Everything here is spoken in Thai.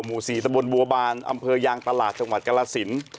หมู่๔ตะบนบัวบานอำเภอยางตลาดจังหวัดกรสิน